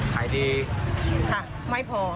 ขายดีค่ะไม่พอ